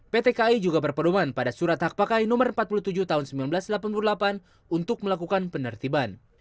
pt kai juga berperuman pada surat hak pakai no empat puluh tujuh tahun seribu sembilan ratus delapan puluh delapan untuk melakukan penertiban